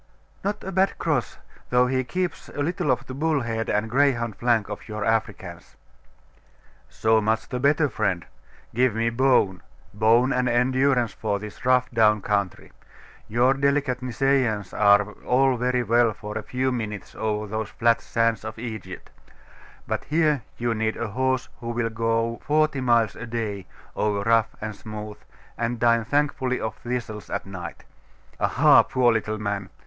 'Not a bad cross; though he keeps a little of the bull head and greyhound flank of your Africans.' 'So much the better, friend. Give me bone bone and endurance for this rough down country. Your delicate Nisaeans are all very well for a few minutes over those flat sands of Egypt: but here you need a horse who will go forty miles a day over rough and smooth, and dine thankfully off thistles at night. Aha, poor little man!